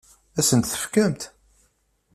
Ad asen-ten-tefkemt?